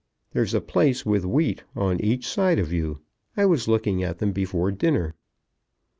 There's a place with wheat on each side of you. I was looking at them before dinner."